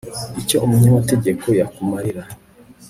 icyo umunyamategeko yakumarira